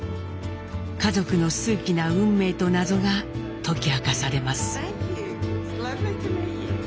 家族の数奇な運命と謎が解き明かされます。